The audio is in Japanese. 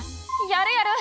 やるやる。